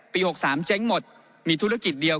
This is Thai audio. ๖๓เจ๊งหมดมีธุรกิจเดียว